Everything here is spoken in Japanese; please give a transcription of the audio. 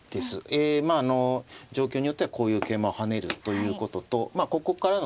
え状況によってはこういう桂馬を跳ねるということとまあここからの攻撃。